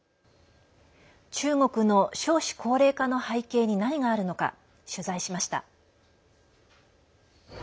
中国の少子高齢化の背景に何があるのか、取材しました。